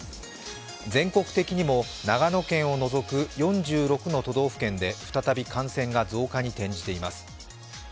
全国的にも長野県を除く４６の都道府県で再び感染が増加に転じています。